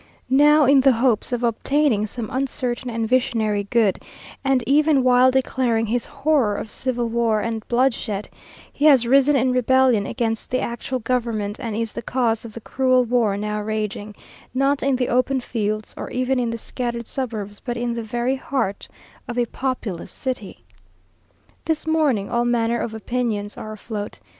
Now in the hopes of obtaining some uncertain and visionary good, and even while declaring his horror of civil war and bloodshed, he has risen in rebellion against the actual government, and is the cause of the cruel war now raging, not in the open fields or even in the scattered suburbs, but in the very heart of a populous city. This morning all manner of opinions are afloat.